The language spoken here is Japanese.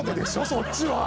そっちは。